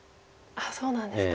そうなんですか。